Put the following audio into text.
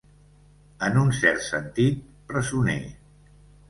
En un cert sentit, presoner.